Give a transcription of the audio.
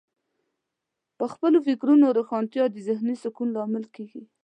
د خپلو فکرونو روښانتیا د ذهنې سکون لامل کیږي.